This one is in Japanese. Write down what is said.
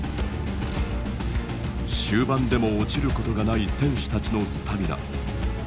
終盤でも落ちることがない選手たちのスタミナ。